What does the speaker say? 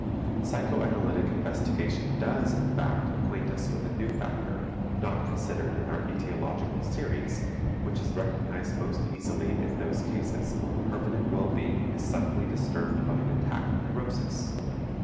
Psychoanalytic investigation does, in fact, acquaint us with a new factor, not considered in our etiological series, which is recognized most easily in those cases where permanent well being is suddenly disturbed by an attack of neurosis.